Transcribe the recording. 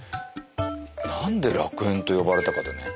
何で楽園と呼ばれたかだよね。